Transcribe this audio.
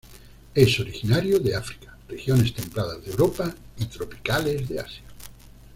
Es originario de África, regiones templadas de Europa y tropicales de Asia.